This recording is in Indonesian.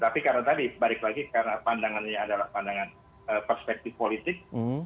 tapi karena tadi balik lagi karena pandangannya adalah pandangan perspektif politik